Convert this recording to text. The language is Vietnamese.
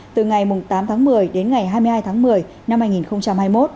từ ngày tám tháng một mươi đến ngày hai mươi hai tháng một mươi năm hai nghìn hai mươi một